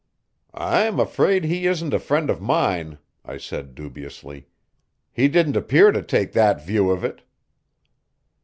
"I'm afraid he isn't a friend of mine," I said dubiously. "He didn't appear to take that view of it."